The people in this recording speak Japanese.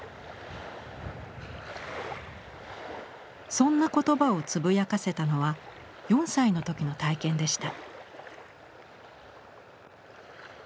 そんな言葉をつぶやかせたのは４歳の時の体験でした。